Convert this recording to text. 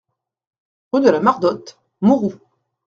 Rue de la Mardotte, Mouroux